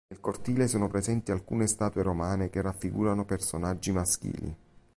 Nel cortile sono presenti alcune statue romane che raffigurano personaggi maschili.